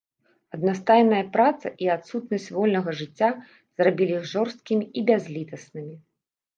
Аднастайная праца і адсутнасць вольнага жыцця зрабілі іх жорсткімі і бязлітаснымі.